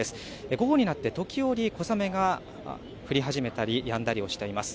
午後になって、時折、小雨が降り始めたり、やんだりをしています。